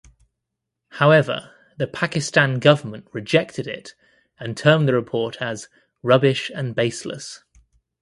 However the Pakistan government rejected it and termed the report as "rubbish and baseless".